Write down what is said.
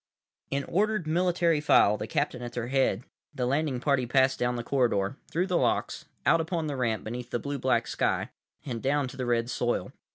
———— In ordered, military file, the captain at their head, the landing party passed down the corridor, through the locks, out upon the ramp beneath the blue black sky; and down to the red soil.